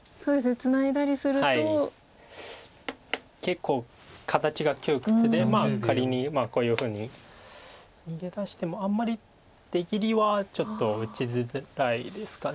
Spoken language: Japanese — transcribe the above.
結構形が窮屈で仮にこういうふうに逃げ出してもあんまり出切りはちょっと打ちづらいですか。